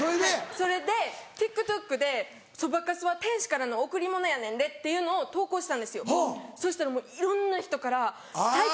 それでＴｉｋＴｏｋで「そばかすは天使からの贈り物やねんで」っていうのを投稿したんですよそしたらもういろんな人から最高！